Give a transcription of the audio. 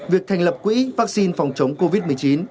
việc thành lập quỹ vaccine phòng chống covid một mươi chín